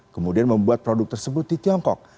kemudian membuat produk tersebut di tiongkok